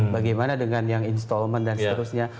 bagaimana dengan yang installment dan seterusnya